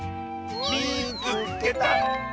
「みいつけた！」。